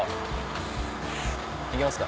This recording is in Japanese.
行きますか。